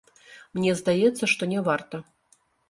Мне здаецца, што няварта.